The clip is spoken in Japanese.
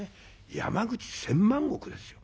山口千万石ですよ。